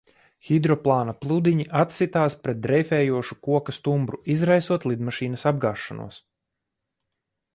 Hidroplāna pludiņi atsitās pret dreifējošu koka stumbru, izraisot lidmašīnas apgāšanos.